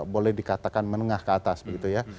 boleh dikatakan menengah ke atas begitu ya